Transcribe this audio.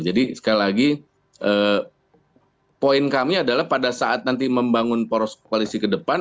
jadi sekali lagi poin kami adalah pada saat nanti membangun poros koalisi ke depan